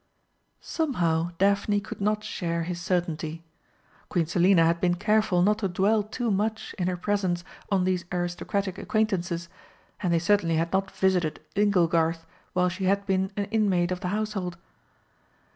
Somehow Daphne could not share his certainty. Queen Selina had been careful not to dwell too much, in her presence, on these aristocratic acquaintances, and they certainly had not visited "Inglegarth" while she had been an inmate of the household.